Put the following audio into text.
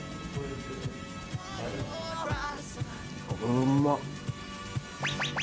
うんまっ。